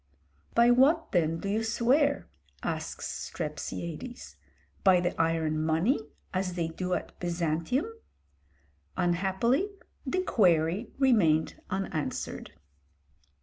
"By what then do you swear?" asks Strepsiades; "by the iron money, as they do at Byzantium?" Unhappily the query remained unanswered.